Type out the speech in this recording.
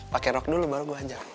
pakai rock dulu baru gue ajak